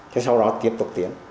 thế sau đó tiếp tục tiến